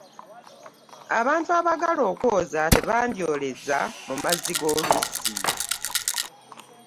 Abantu abaagala okwoza tebandyolezza mu mazzi g'oluzzi.